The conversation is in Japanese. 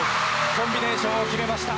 コンビネーションを決めました。